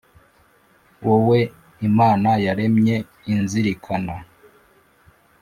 wowe imana yaremye inzirikana,